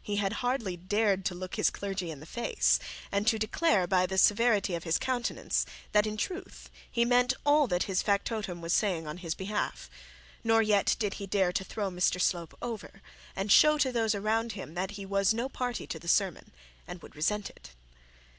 He had hardly dared to look his clergy in the face, and to declare by the severity of his countenance that in truth he meant all that his factotum was saying on his behalf; nor yet did he dare throw Mr Slope over, and show to those around him that he was no party to the sermon, and would resent it.